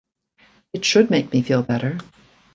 It should make me feel better.